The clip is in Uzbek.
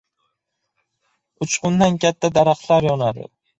• Uchqundan katta daraxtlar yonadi.